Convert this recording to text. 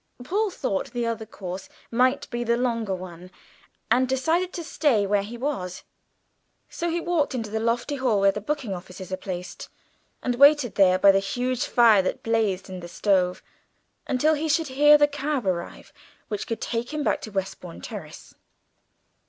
Paul thought the other course might be the longer one, and decided to stay where he was. So he walked into the lofty hall in which the booking offices are placed and waited there by the huge fire that blazed in the stove until he should hear the cab arrive which could take him back to Westbourne Terrace.